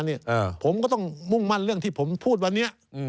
ผมก็ต้องมุ่งมั่นเรื่องที่ผมพูดวันนี้